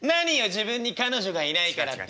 自分に彼女がいないからってやいてんの？」。